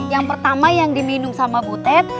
yang pertama yang diminum sama butet